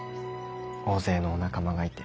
大勢のお仲間がいて。